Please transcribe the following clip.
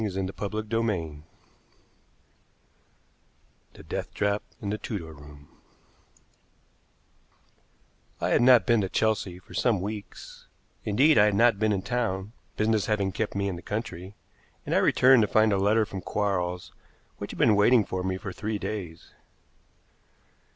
CHAPTER VII THE DEATH TRAP IN THE TUDOR ROOM I had not been to Chelsea for some weeks indeed, I had not been in town, business having kept me in the country and I returned to find a letter from Quarles which had been waiting for me for three days.